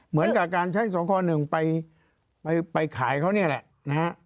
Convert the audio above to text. เหมือนกับการใช้สงค๑ไปขายเขานี่แหละนะฮะ